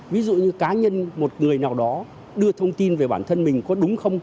ví dụ như cá nhân một người nào đó đưa thông tin về bản thân mình có đúng không